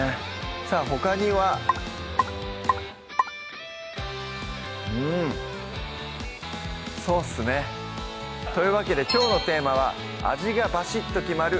さぁほかにはうんそーっすねというわけできょうのテーマは「味がバシッと決まる！